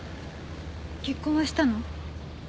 結婚はしたの？